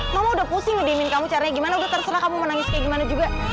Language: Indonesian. mama udah pusing nih dimin kamu caranya gimana udah terserah kamu menangis kayak gimana juga